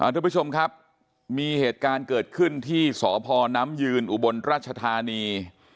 ทุกผู้ชมครับมีเหตุการณ์เกิดขึ้นที่สพน้ำยืนอุบลราชธานี